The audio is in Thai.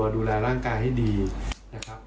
ดูแลร่างกายให้ดีนะครับ